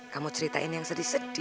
kamu ceritain yang sedih sedih